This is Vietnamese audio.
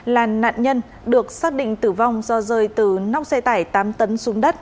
là nạn nhân được xác định tử vong do rơi từ nóc xe tải tám tấn xuống đất